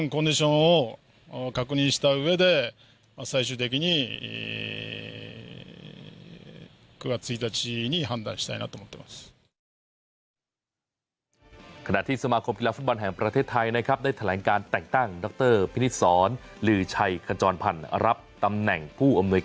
ก็ถ้าเกิดสิ่งที่พวกเราได้จริงอย่างน้อย